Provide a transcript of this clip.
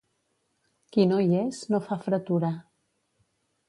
Qui no hi és no fa fretura.